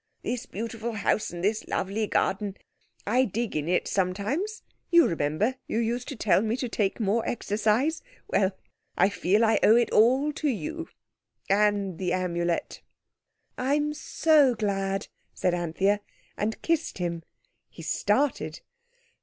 This beautiful house and this lovely garden—I dig in it sometimes; you remember, you used to tell me to take more exercise? Well, I feel I owe it all to you—and the Amulet." "I'm so glad," said Anthea, and kissed him. He started.